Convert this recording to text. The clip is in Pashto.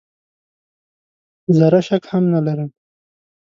زره شک هم نه لرم .